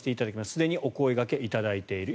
すでにお声掛けいただいている。